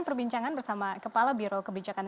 perbincangan bersama kepala biro kebijakan